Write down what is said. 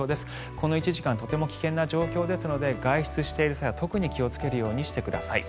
この１時間とても危険な状況ですので外出している際は特に気をつけるようにしてください。